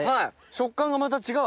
食感がまた違う。